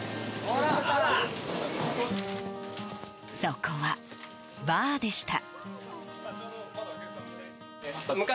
そこは、バーでした。